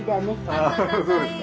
あそうですか。